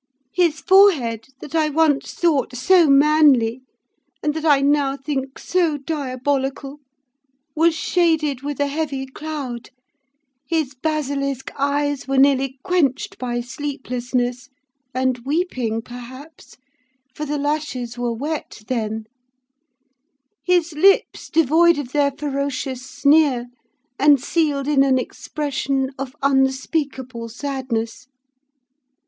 His forehead, that I once thought so manly, and that I now think so diabolical, was shaded with a heavy cloud; his basilisk eyes were nearly quenched by sleeplessness, and weeping, perhaps, for the lashes were wet then: his lips devoid of their ferocious sneer, and sealed in an expression of unspeakable sadness.